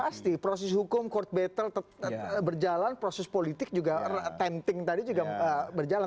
pasti proses hukum court battle berjalan proses politik juga penting tadi juga berjalan